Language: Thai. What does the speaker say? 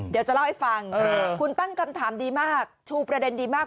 เดี๋ยวจะเล่าให้ฟังคุณตั้งคำถามดีมากชูประเด็นดีมาก